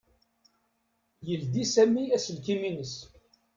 Yeldi Sami aselkim-ines.